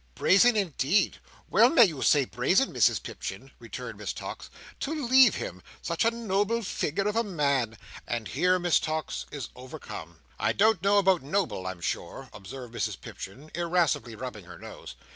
"Brazen indeed! Well may you say brazen, Mrs Pipchin!" returned Miss Tox. "To leave him! Such a noble figure of a man!" And here Miss Tox is overcome. "I don't know about noble, I'm sure," observes Mrs Pipchin; irascibly rubbing her nose.